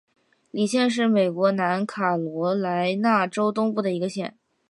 李县是美国南卡罗莱纳州东部的一个县。